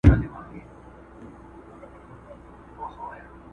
سپېده داغ ته یې د شپې استازی راسي ..